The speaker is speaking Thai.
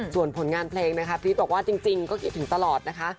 ส่วนผลงานเพลงนะคะพีชบอกว่าจริงก็คิดถึงตลอดนะคะ